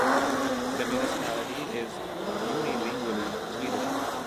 The municipality is unilingually Swedish.